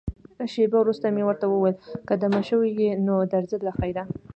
شېبه وروسته مې ورته وویل، که دمه شوې یې، نو درځه له خیره.